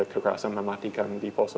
kekerasan mematikan di poso